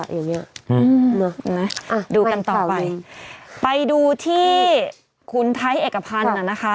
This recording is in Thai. อย่างเงี้ยอืมเนอะนะดูกันต่อไปไปดูที่คุณไทยเอกพันธ์น่ะนะคะ